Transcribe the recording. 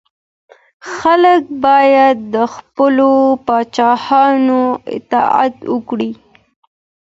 خلګ باید د خپلو پاچاهانو اطاعت وکړي.